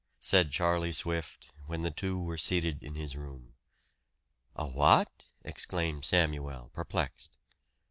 said Charlie Swift, when the two were seated in his room. "A what?" exclaimed Samuel perplexed.